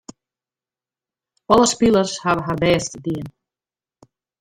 Alle spilers hawwe har bêst dien.